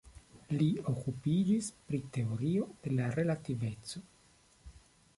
Li okupiĝis pri teorio de la relativeco.